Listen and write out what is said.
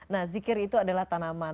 nah zikir itu adalah tanaman